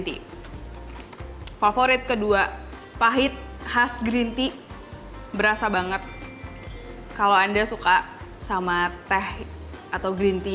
tea favorit kedua pahit khas green tea berasa banget kalau anda suka sama teh atau green tea